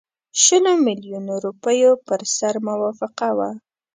شلو میلیونو روپیو پر سر موافقه وه.